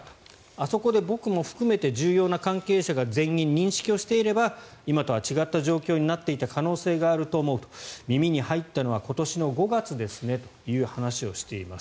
あそこで僕も含めて重要な関係者が全員認識していれば今とは違った状況になっていた可能性があると思うと耳に入ったのは今年の５月ですねという話をしています。